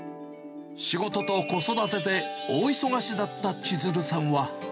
仕事と子育てで大忙しだった千鶴さんは。